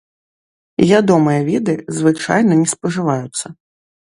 Ядомыя віды звычайна не спажываюцца.